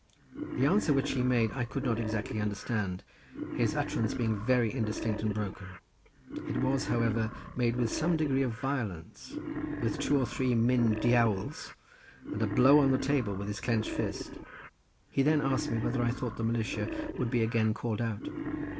The answer which he made I could not exactly understand, his utterance being very indistinct, and broken; it was, however, made with some degree of violence, with two or three Myn Diawls, and a blow on the table with his clenched fist. He then asked me whether I thought the militia would be again called out.